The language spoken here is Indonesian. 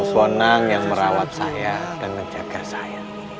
sunan ponang yang merawat saya dan menjaga saya